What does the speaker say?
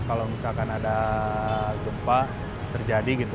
kalau misalkan ada gempa terjadi gitu